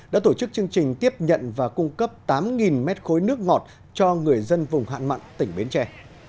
đã tổ chức chương trình tiếp nhận và cung cấp tám mét khối nước ngọt cho người dân vùng hạn mặn tỉnh bến tre